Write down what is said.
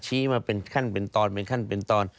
ชี้มาเป็นขั้นเป็นตอนเป็นขั้นเป็นตอน